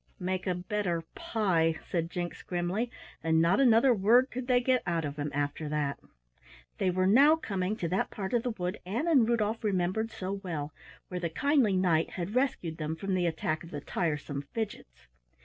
"Make a better pie," said Jinks grimly, and not another word could they get out of him after that. They were now coming to that part of the wood Ann and Rudolf remembered so well, where the kindly Knight had rescued them from the attack of the tiresome Fidgets.